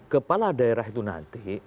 kepala daerah itu nanti